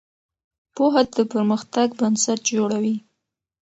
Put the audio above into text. پوهه د پرمختګ بنسټ جوړوي.